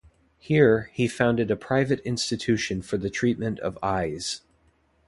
Here, he founded a private institution for the treatment of eyes.